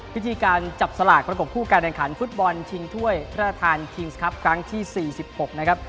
พิธีการจับสลากระบบคู่การแข่งขันฟุตบอลชิงถ้วยพระราชทานคิงส์ครับครั้งที่๔๖นะครับ